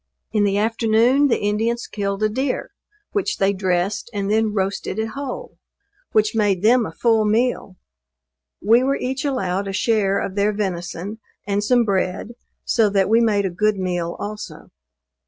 In the afternoon the Indians killed a deer, which they dressed, and then roasted it whole; which made them a full meal. We were each allowed a share of their venison, and some bread, so that we made a good meal also.